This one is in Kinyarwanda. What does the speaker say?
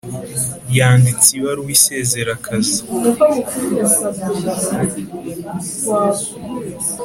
Yanditse ibaruwa isezera akazi